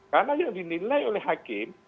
karena yang dinilai oleh hakim